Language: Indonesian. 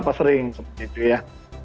apa sering seperti itu ya